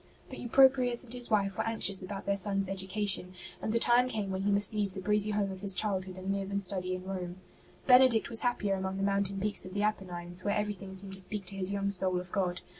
But Eupropius and his wife were anxious about their son's education, and the time came when he must leave the breezy home of his childhood and live and study in Rome. Benedict was happier among the mountain peaks of the Apennines, where everything seemed to speak to his young soul of God.